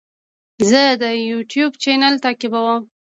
زه د یوټیوب چینل تعقیبوم.